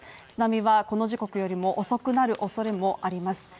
津波はこの時刻よりも遅くなる恐れもあります。